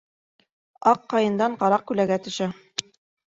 Аҡ ҡайындан ҡара күләгә төшә.